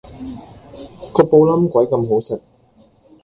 個布冧鬼咁好食